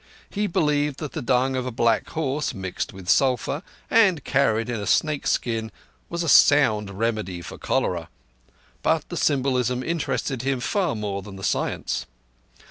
He believed that the dung of a black horse, mixed with sulphur, and carried in a snake skin, was a sound remedy for cholera; but the symbolism interested him far more than the science.